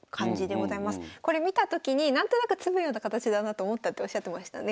これ見た時に何となく詰むような形だなと思ったっておっしゃってましたね。